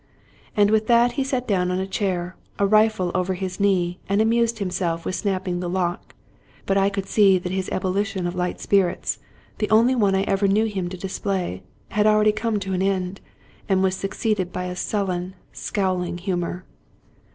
And with that he sat down in a chair, a rifle over his knee, and amused himself with snapping the lock; but I could see that his ebullition of light spirits (the only one I ever knew him to display) had already come to an end, and was succeeded by a sullen, scowling humor.